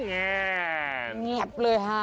เงียบเลยค่ะ